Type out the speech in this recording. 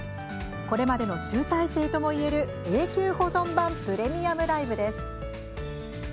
これまでの集大成ともいえる永久保存版プレミアムライブです。